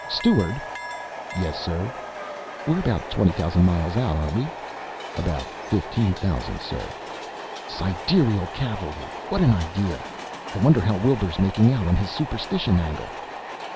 Steward!" "Yes, sir?" "We're about twenty thousand miles out, aren't we?" "About fifteen thousand, sir." "Sidereal Cavalry! What an idea! I wonder how Wilbur's making out on his superstition angle?"